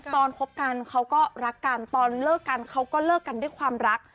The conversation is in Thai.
คบกันเขาก็รักกันตอนเลิกกันเขาก็เลิกกันด้วยความรัก